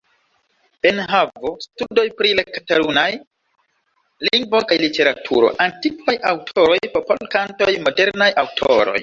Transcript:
Enhavo: Studoj pri la katalunaj lingvo kaj literaturo; Antikvaj aŭtoroj; Popolkantoj; Modernaj aŭtoroj.